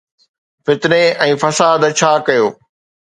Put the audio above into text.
فتني ۽ فساد ڇا ڪيو.